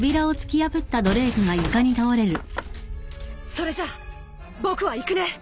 それじゃ僕は行くね。